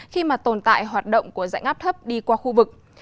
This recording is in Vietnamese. khi mà tồn tại hoạt động của dạnh áp thấp đi qua khu vực